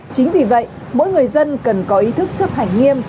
chính vì vậy mỗi người dân cần có ý thức chấp hành nghiêm